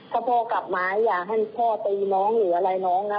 ถ้าพ่อกลับมาอย่าให้พ่อตีน้องหรืออะไรน้องนะ